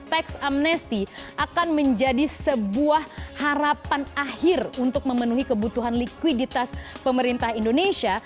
tax amnesty akan menjadi sebuah harapan akhir untuk memenuhi kebutuhan likuiditas pemerintah indonesia